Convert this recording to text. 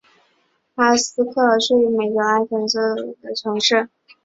哈斯克尔是一个位于美国阿肯色州萨林县的城市。